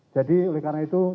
jadi oleh karena itu